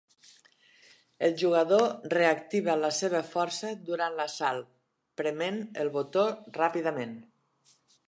El jugador reactiva la seva força durant l'assalt prement el botó ràpidament.